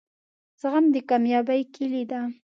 زغم دکامیابۍ کیلي ده